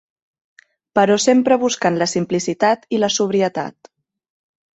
Però sempre buscant la simplicitat i la sobrietat.